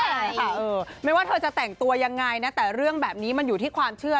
ใช่ค่ะไม่ว่าเธอจะแต่งตัวยังไงนะแต่เรื่องแบบนี้มันอยู่ที่ความเชื่อ